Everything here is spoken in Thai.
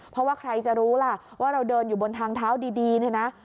เพราะว่าใครจะรู้ล่ะว่าเราเดินอยู่บนทางเท้าดีเนี่ยนะ